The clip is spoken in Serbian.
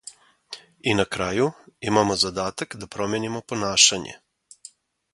И на крају, имамо задатак да променимо понашање.